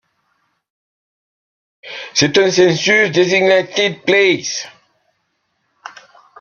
C'est un Census-designated place.